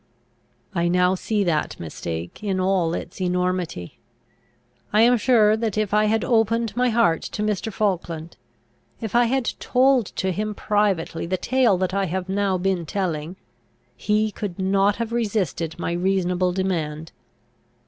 "I now see that mistake in all its enormity. I am sure that if I had opened my heart to Mr. Falkland, if I had told to him privately the tale that I have now been telling, he could not have resisted my reasonable demand.